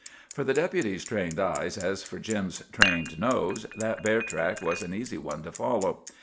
For the Deputy's trained eyes, as for Jim's trained nose, that bear track was an easy one to follow.